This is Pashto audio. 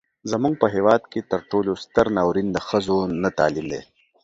زموږ په هیواد کې تر ټولو ستر ناورين د ښځو نه تعليم دی.